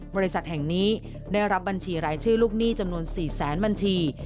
บริษัทแห่งนี้ได้รับบัญชีรายชื่อลูกหนี้จำนวน๔แสนบัญชี